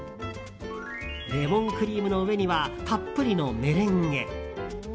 レモンクリームの上にはたっぷりのメレンゲ。